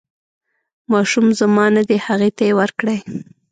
ماشوم زما نه دی هغې ته یې ورکړئ.